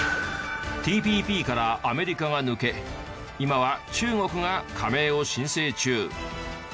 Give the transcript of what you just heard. ＴＰＰからアメリカが抜け今は中国が加盟を申請中。